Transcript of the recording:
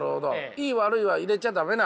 いい悪いは入れちゃ駄目なんだ。